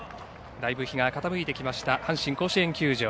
だいぶ日が傾いてきました阪神甲子園球場。